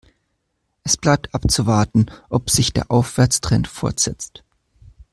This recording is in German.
Es bleibt abzuwarten, ob sich der Aufwärtstrend fortsetzt.